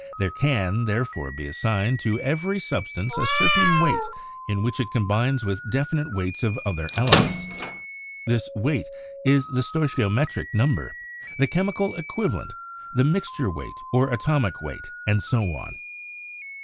"There can, therefore, be assigned to every substance a certain weight in which it combines with definite weights of other elements. This weight is the stoichiometric number, the chemical equivalent, the mixture weight or atomic weight, and so on.